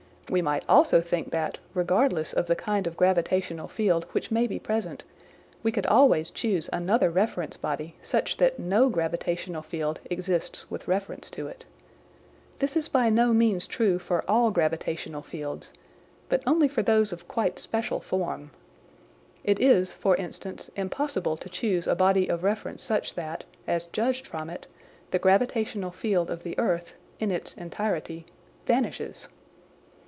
We might also think that, regardless of the kind of gravitational field which may be present, we could always choose another reference body such that no gravitational field exists with reference to it. This is by no means true for all gravitational fields, but only for those of quite special form. It is, for instance, impossible to choose a body of reference such that, as judged from it, the gravitational field of the earth (in its entirety) vanishes.